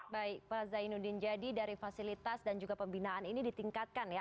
baik pak zainuddin jadi dari fasilitas dan juga pembinaan ini ditingkatkan ya